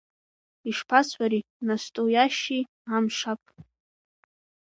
Ишԥасҳәари настоиашьчи амшаԥ!